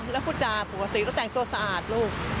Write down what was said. แล้วพูดจาปกติก็แต่งตัวสะอาดลูก